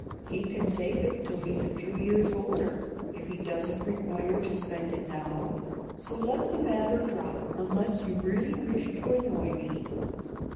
He can save it till he's a few years older, if he doesn't require to spend it now; so let the matter drop, unless you really wish to annoy me."